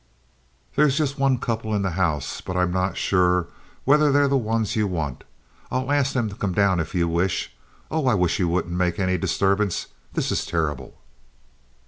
"There's just one couple in the house, but I'm not sure whether they're the ones you want. I'll ask them to come down if you wish. Oh, I wish you wouldn't make any disturbance. This is terrible."